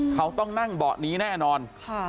เขาต้องนั่งเบาะนี้แน่นอน